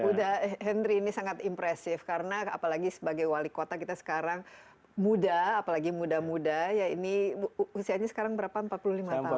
muda henry ini sangat impresif karena apalagi sebagai wali kota kita sekarang muda apalagi muda muda ya ini usianya sekarang berapa empat puluh lima tahun